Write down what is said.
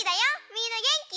みんなげんき？